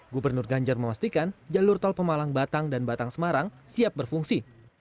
gubernur ganjar memastikan jalur tol pemalang batang dan batang semarang siap berfungsi